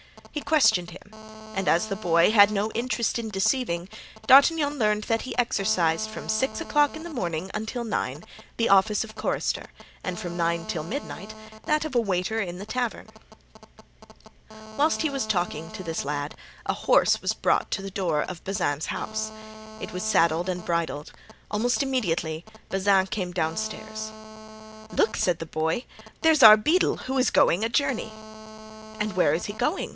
He questioned him, and as the boy had no interest in deceiving, D'Artagnan learned that he exercised, from six o'clock in the morning until nine, the office of chorister, and from nine o'clock till midnight that of a waiter in the tavern. Whilst he was talking to this lad a horse was brought to the door of Bazin's house. It was saddled and bridled. Almost immediately Bazin came downstairs. "Look!" said the boy, "there's our beadle, who is going a journey." "And where is he going?"